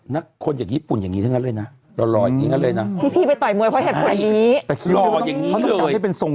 นักคนอย่างญี่ปุ่นอย่างงี้ทั้งนั้นเลยนะรออย่างงี้นั้นเลยนะ